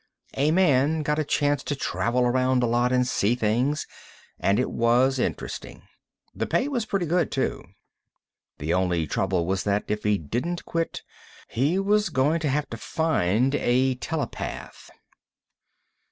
A man got a chance to travel around a lot and see things, and it was interesting. The pay was pretty good, too. The only trouble was that, if he didn't quit, he was going to have to find a telepath.